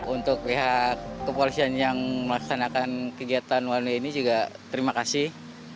untuk pihak kepolisian yang melaksanakan kegiatan one way ini juga terima kasih